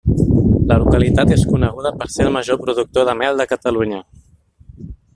La localitat és coneguda per ser el major productor de mel de Catalunya.